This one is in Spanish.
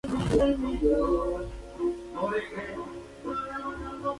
Algunos individuos solitarios han sido avistados en las Islas Malvinas.